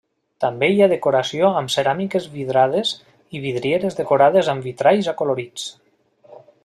També hi ha decoració amb ceràmiques vidrades i vidrieres decorades amb vitralls acolorits.